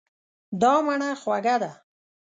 دا مڼه خوږه ده.